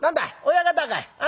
親方かい？